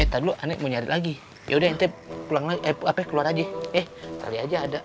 eh tadi dulu anak mau nyari lagi yaudah nanti keluar aja eh tari aja ada